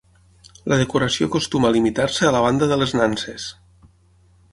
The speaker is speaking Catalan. La decoració acostuma a limitar-se a la banda de les nanses.